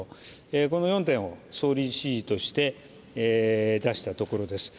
この４点を総理指示として出したところです。